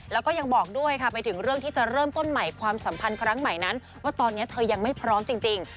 แล้วก็ยังบอกด้วยค่ะไปถึงเรื่องที่จะเริ่มต้นใหม่ความสัมพันธ์ครั้งใหม่นั้นว่าตอนนี้เธอยังไม่พร้อมจริง